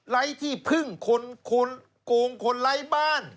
ไร้ที่พึ่งคนโกงคนไร้บ้าน